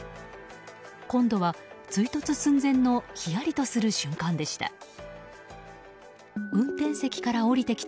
今度は追突寸前のひやりとする瞬間でした。